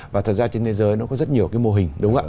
và thật ra trên thế giới nó có rất nhiều cái mô hình